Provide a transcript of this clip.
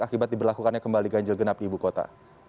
akibat diberlakukannya kembali ganjil genap di ibu kota